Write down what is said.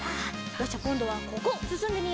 よしじゃあこんどはここすすんでみよう。